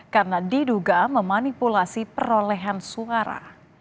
karena diduga memanipulasi perolehan suara